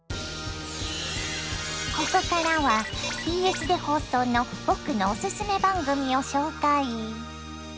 ここからはＢＳで放送の僕のおすすめ番組を紹介。